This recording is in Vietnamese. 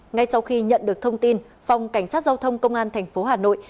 ngay sau khi nhận được thông tin phòng cảnh sát giao thông công an tp hà nội